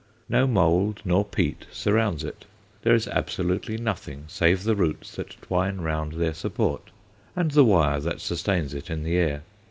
No mould nor peat surrounds it; there is absolutely nothing save the roots that twine round their support, and the wire that sustains it in the air.